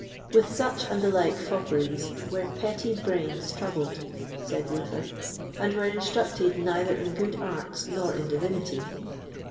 With such and the like fopperies were petty brains troubled, said Luther, and were instructed neither in good arts nor in divinity.